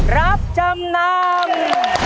รับจำนำ